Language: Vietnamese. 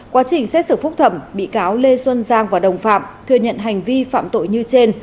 quá trình xét xử phúc thẩm bị cáo lê xuân giang và đồng phạm thừa nhận hành vi phạm tội như trên